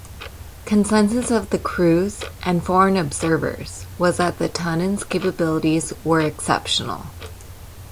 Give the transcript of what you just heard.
Consensus of the crews and foreign observers was that the Tunnan's capabilities were exceptional.